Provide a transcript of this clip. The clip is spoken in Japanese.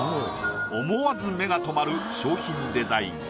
思わず目が留まる商品デザイン。